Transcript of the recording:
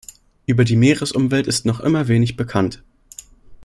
Über die Meeresumwelt ist noch immer wenig bekannt.